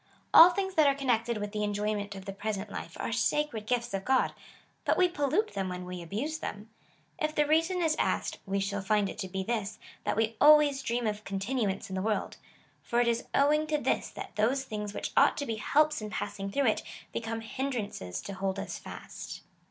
All things that are connected with the enjoyment of the present life are sacred gifts of God, but we pollute them when we abuse them. If the rea son is asked, we shall find it to be this, that we always dream of continuance in the world, for it is owing to this that those things which ought to be helps in passing through it become hinderances to hold us fast.